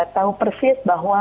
tahu persis bahwa